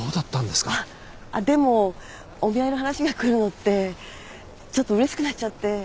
でもお見合いの話が来るのってちょっとうれしくなっちゃって。